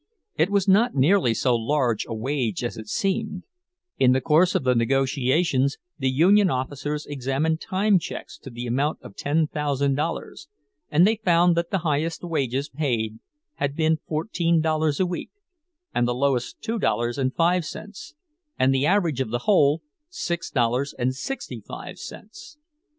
It was not nearly so large a wage as it seemed—in the course of the negotiations the union officers examined time checks to the amount of ten thousand dollars, and they found that the highest wages paid had been fourteen dollars a week, and the lowest two dollars and five cents, and the average of the whole, six dollars and sixty five cents.